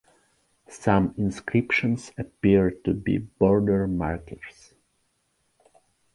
Some inscriptions appear to be border markers.